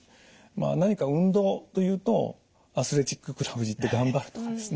何か運動というとアスレチッククラブに行って頑張るとかですね